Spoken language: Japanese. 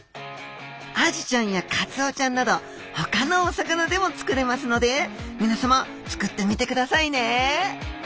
アジちゃんやカツオちゃんなどほかのお魚でも作れますのでみなさま作ってみてくださいね